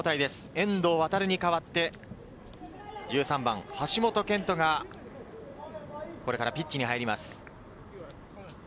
遠藤航に代わって、１３番・橋本拳人がこれからピッチに入ります。